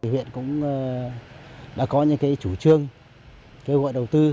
huyện cũng đã có những chủ trương kêu gọi đầu tư